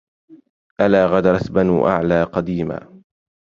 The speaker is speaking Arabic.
ألا غدرت بنو أعلى قديما